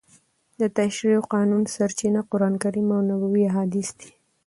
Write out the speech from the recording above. د تشریع او قانون سرچینه قرانکریم او نبوي احادیث دي.